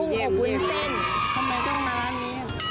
ทำไมต้องมาร้านนี้